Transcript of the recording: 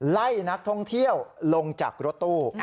ไล่นักท่องเที่ยวลงจากรถตู้